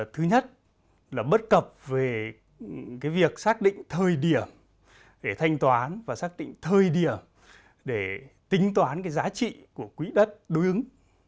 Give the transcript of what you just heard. thứ nhất là bất cập về việc xác định thời điểm để thanh toán và xác định thời điểm để tính toán cái giá trị của quỹ đất đối ứng